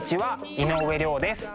井上涼です。